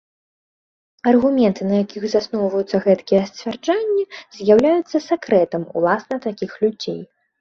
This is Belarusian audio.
Аргументы, на якіх засноўваюцца гэткія сцверджанні, з'яўляюцца сакрэтам уласна такіх людзей.